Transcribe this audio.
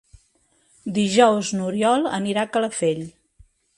Dijous n'Oriol anirà a Calafell.